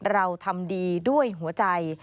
เราทำดีด้วยหัวใจ